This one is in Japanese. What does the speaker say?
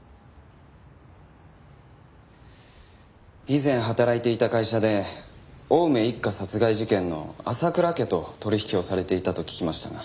以前働いていた会社で青梅一家殺害事件の浅倉家と取引をされていたと聞きましたが。